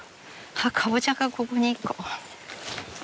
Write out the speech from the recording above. あっかぼちゃがここに一個。